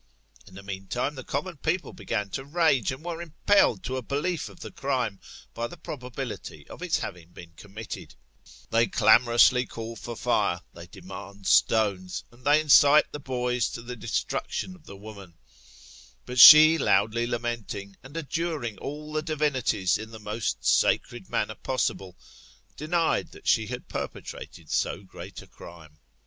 In the meantime the common people began to rage, and were impelled to a belief of the crime, by the probability of its having been committed They clamor ously call for fire ; they demand stones ; and they incite the boys to the destruction of the woman : but she, loudly lamenting, and adjuring all the divinities in the most sacred manner possible, denied that she had perpetrated so great a crime.